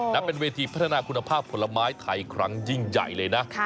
และเป็นเวทีพัฒนาคุณภาพผลไม้ไทยครั้งยิ่งใหญ่เลยนะ